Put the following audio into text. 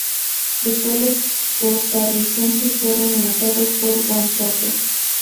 Los goles costarricenses fueron anotados por Wanchope.